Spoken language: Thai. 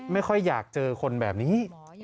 ไม่ค่อยอยากเจอคนแบบนี้